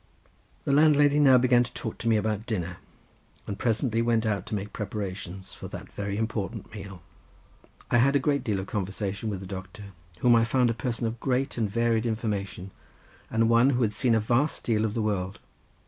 The landlady now began to talk to me about dinner, and presently went out to make preparations for that very important meal. I had a great, deal of conversation with the doctor, whom I found a person of great and varied information, and one who had seen a vast deal of the world.